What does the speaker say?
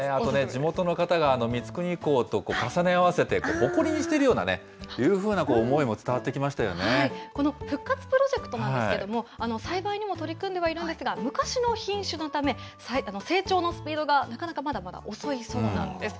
地元の方が光圀公と重ね合わせて誇りにしているようなね、この復活プロジェクトなんですけれども、栽培にも取り組んではいるんですが、昔の品種のため、成長のスピードがなかなかまだまだ遅いそうなんです。